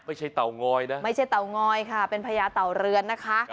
ไม่ใช่เต๋อง้อยด้ะไม่ใช่เต๋อง้อยค่ะเป็นพระยาเต่าเรือนนะคะ